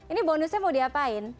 ini bonusnya mau diapain